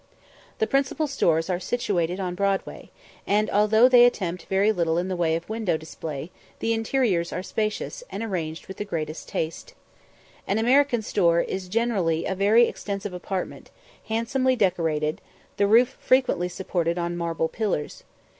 The principal stores are situated in Broadway; and although they attempt very little in the way of window display, the interiors are spacious, and arranged with the greatest taste. An American store is generally a very extensive apartment, handsomely decorated, the roof frequently supported on marble pillars.